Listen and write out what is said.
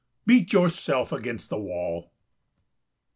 Beat yourself against the wall."